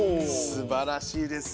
すばらしいですね。